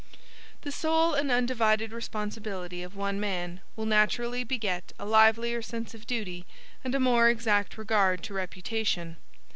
The sole and undivided responsibility of one man will naturally beget a livelier sense of duty and a more exact regard to reputation.